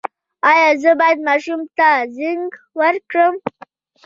ایا زه باید ماشوم ته زنک ورکړم؟